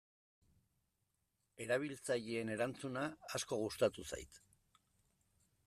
Erabiltzaileen erantzuna asko gustatu zait.